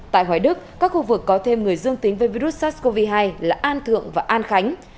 tại hoài đức các khu vực có thêm người dương tính với virus sars cov hai là an thượng và an khánh